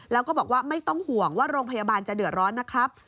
แล้วก็บอกว่าไม่ต้องห่วงว่าโรงพยาบาลจะเดือดร้อนนะครับ